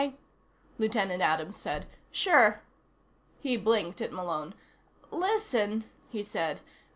"Okay," Lieutenant Adams said. "Sure." He blinked at Malone. "Listen," he said.